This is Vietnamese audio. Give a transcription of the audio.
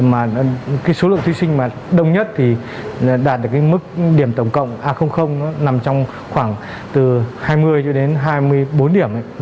mà cái số lượng thí sinh mà đông nhất thì đạt được cái mức điểm tổng cộng a nó nằm trong khoảng từ hai mươi cho đến hai mươi bốn điểm